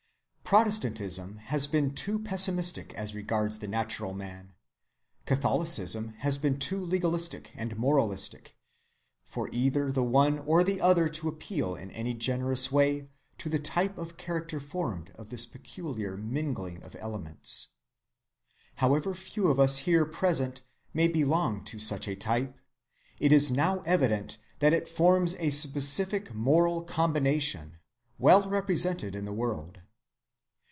Protestantism has been too pessimistic as regards the natural man, Catholicism has been too legalistic and moralistic, for either the one or the other to appeal in any generous way to the type of character formed of this peculiar mingling of elements. However few of us here present may belong to such a type, it is now evident that it forms a specific moral combination, well represented in the world.